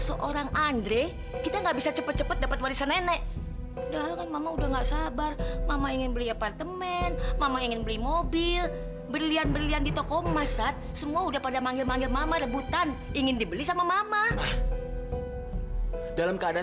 sampai jumpa di video selanjutnya